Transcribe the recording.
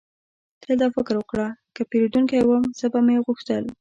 تل دا فکر وکړه: که زه پیرودونکی وم، څه به مې غوښتل؟